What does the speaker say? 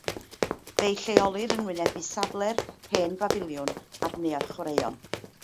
Fe'i lleolir yn wynebu safle'r hen bafiliwn a'r neuadd chwaraeon.